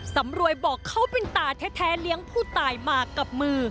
สำรวยบอกเขาเป็นตาแท้เลี้ยงผู้ตายมากับมือ